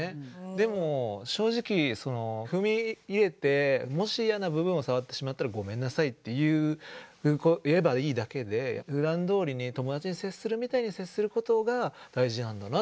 でも正直踏み入れてもし嫌な部分を触ってしまったら「ごめんなさい」って言えばいいだけでふだんどおりに友達に接するみたいに接することが大事なんだなって